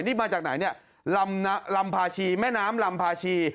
นี่มาจากไหนแล้วแม่น้ำลำพาชี